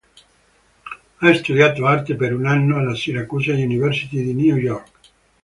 Ha studiato arte per un anno alla Syracuse University di New York.